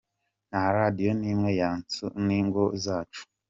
Nta radio n’imwe yasahuwe n’ingabo zacu.